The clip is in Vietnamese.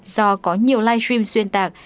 do có nhiều live stream xuyên tạc